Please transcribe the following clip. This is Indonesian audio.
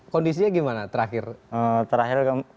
kondisinya gimana terakhir